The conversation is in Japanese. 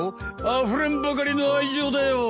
あふれんばかりの愛情だよ。